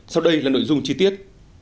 sau đây là nội dung chi tiết